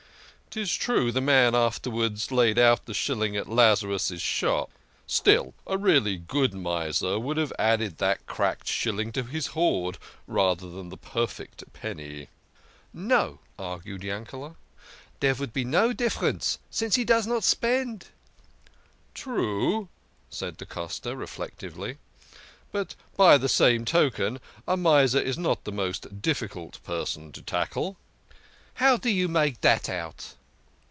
Tis true the man afterwards laid THE KING OF SCHNORRERS. 81 out the shilling at Lazarus's shop. Still a really great miser would have added that cracked shilling to his hoard rather than the perfect penny." " No," argued Yanked, " dere vould be no difference, since he does not spend." " True," said da Costa reflectively, " but by that same token a miser is not the most difficult person to tackle." " How do you make dat out?